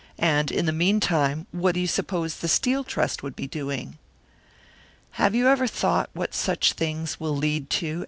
And, in the meantime, what do you suppose the Steel Trust would be doing?" "Have you ever thought what such things will lead to?"